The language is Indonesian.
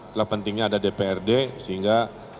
telah pentingnya ada dprd sehingga